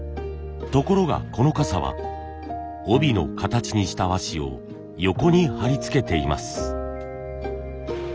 ところがこの傘は帯の形にした和紙を横に貼り付けています。